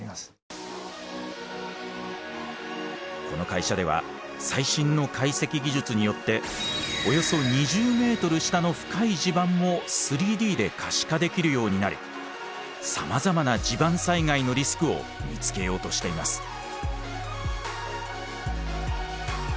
この会社では最新の解析技術によっておよそ２０ｍ下の深い地盤も３Ｄで可視化できるようになりさまざまな地盤災害のリスクを見つけようとしています。